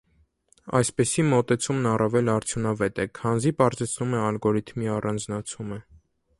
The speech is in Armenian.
Այսպիսի մոտեցումն առավել արդյունավետ է, քանզի պարզեցնում է ալգորիթմի առանձնացումը։